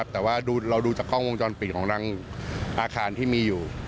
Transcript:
แต่ว่าเราดูจากกล้องวงจรปิดของรังอาคารที่มีอยู่